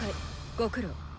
ご苦労。